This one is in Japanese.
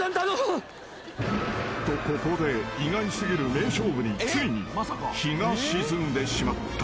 ［とここで意外過ぎる名勝負についに日が沈んでしまった］